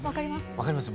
分かります？